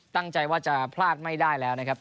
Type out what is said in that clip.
ตั้งใจว่าจะพลาดไม่ได้แล้วนะครับ